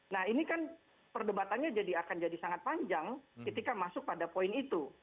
nah ini kan perdebatannya akan jadi sangat panjang ketika masuk pada poin itu